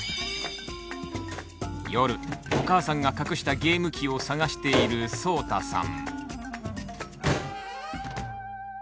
夜お母さんが隠したゲーム機を捜しているそうたさん。